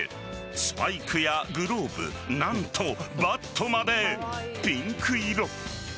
スパイクやグローブ何と、バットまでピンク色。